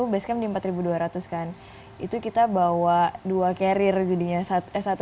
sesaat lagi dalam insight